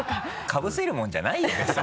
かぶせるもんじゃないよねそこ。